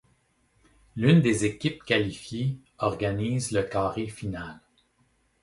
L'une des équipes qualifiées organise le Carré final.